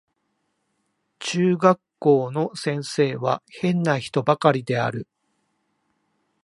中学校の先生は変な人ばかりである